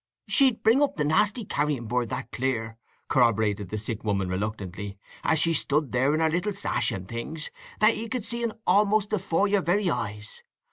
"She'd bring up the nasty carrion bird that clear," corroborated the sick woman reluctantly, "as she stood there in her little sash and things, that you could see un a'most before your very eyes.